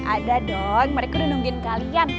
ada dong mereka udah nungguin kalian